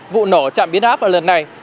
vụ nổ trạm biến áp lần này